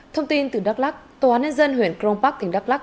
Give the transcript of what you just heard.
thông tin từ đắk lắc tòa án nhân dân huyện crong park tỉnh đắk lắc